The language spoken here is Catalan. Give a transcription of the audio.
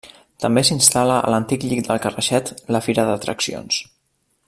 També s'instal·la a l'antic llit del Carraixet la fira d'atraccions.